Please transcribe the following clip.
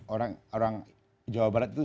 orang jawa barat itu